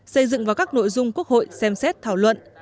xây dựng vào các nội dung quốc hội xem xét thảo luận